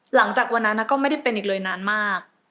หลังจากนั้นก็ไม่ได้เป็นอีกเลยนานมาก